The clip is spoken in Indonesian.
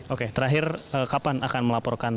oke terakhir kapan akan melaporkan